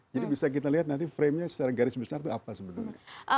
jadi bisa kita lihat nanti framenya secara garis besar itu apa sebenarnya